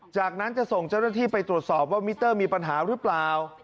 จากนั้นจะส่งเจ้าหน้าที่ไปตรวจสอบว่ามิเตอร์มีปัญหาหรือเปล่า